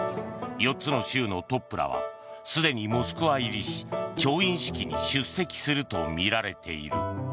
４つ州のトップらはすでにモスクワ入りし調印式に出席するとみられている。